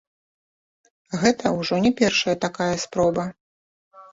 Гэта ўжо не першая такая спроба.